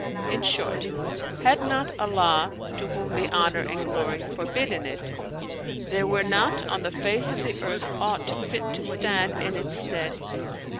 In short, had not Allah (to whom be honour and glory!) forbidden it,[FN#407] there were not on the face of the earth aught fit to stand in its stead.